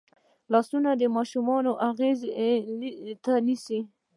لاسونه ماشومان غېږ ته نیسي